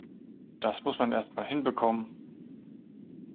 Das muss man erst mal hinbekommen!